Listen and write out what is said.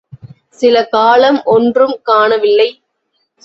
சில காலம் ஒன்றும் காணவில்லை.